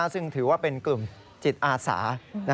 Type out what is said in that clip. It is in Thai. ซึ่งถือว่าเป็นกลุ่มจิตอาสา